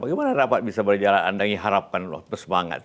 bagaimana rapat bisa berjalan andai harapkan semangat